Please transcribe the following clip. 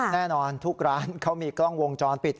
แน่นอนทุกร้านเขามีกล้องวงจรปิด